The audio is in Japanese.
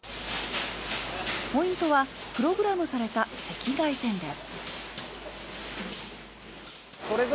ポイントはプログラムされた赤外線です。